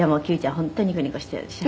本当ニコニコしてるでしょ？」